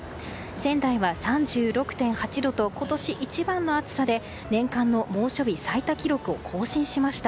仙台は３６．８度と今年一番の暑さで年間の猛暑日最多記録を更新しました。